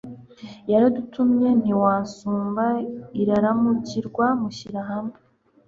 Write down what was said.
Yaradutumye ntiwansumba Iraramukirwa Mushyira-hamwe